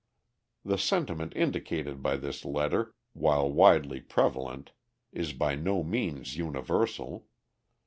The sentiment indicated by this letter, while widely prevalent, is by no means universal.